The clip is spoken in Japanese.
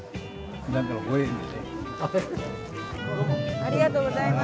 ありがとうございます。